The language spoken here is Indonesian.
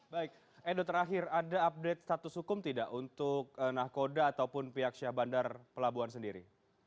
baik edo terakhir ada update status hukum tidak untuk nahkoda ataupun pihak syah bandar pelabuhan sendiri